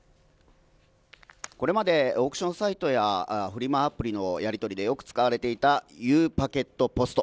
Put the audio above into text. これまでオークションサイトやフリマアプリで使われていたゆうパケットポスト。